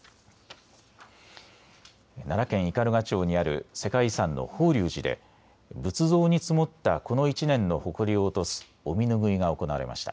奈良県斑鳩町にある世界遺産の法隆寺で仏像に積もったこの１年のほこりを落とすお身拭いが行われました。